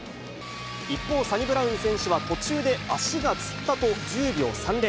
一方、サニブラウン選手は途中で足がつったと、１０秒３０。